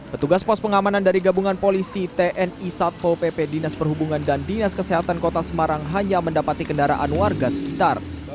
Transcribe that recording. petugas pos pengamanan dari gabungan polisi tni satpo pp dinas perhubungan dan dinas kesehatan kota semarang hanya mendapati kendaraan warga sekitar